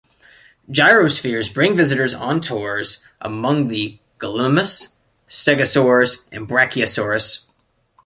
"Gyrospheres" bring visitors on tours among the gallimimus, stegosaurs and brachiosaurus.